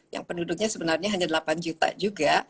yang penduduknya sebenarnya hanya delapan juta juga